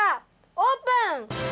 オープン！